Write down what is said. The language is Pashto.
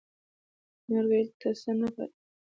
نور ويلو ته څه نه پاتې کېږي.